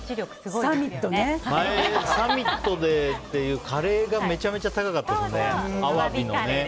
前にサミットでカレーがめちゃめちゃ高かったですよね